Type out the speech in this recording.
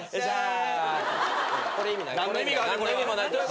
これ意味ない。